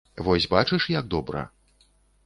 Вось бачыш, як добра.